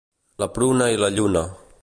La pruna i la lluna